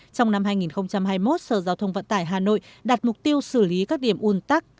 trong năm hai nghìn hai mươi một sở giao thông vận tải hà nội đặt mục tiêu xử lý các điểm un tắc